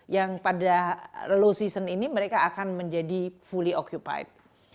yang pada low season ini mereka akan menjadi fully occupite